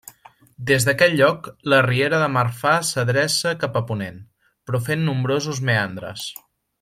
Des d'aquest lloc, la Riera de Marfà s'adreça cap a ponent, però fent nombrosos meandres.